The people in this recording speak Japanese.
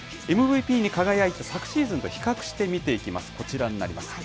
ＭＶＰに輝いた昨シーズンと比較して見ていきます、こちらになります。